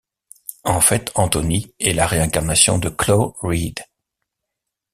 En fait, Anthony est la réincarnation de Clow Reed.